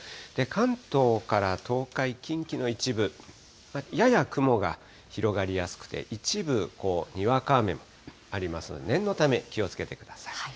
関東から東海、近畿の一部、やや雲が広がりやすくて、一部、こう、にわか雨もありますので、念のため気をつけてください。